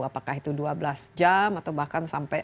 apakah itu dua belas jam atau bahkan sampai delapan belas jam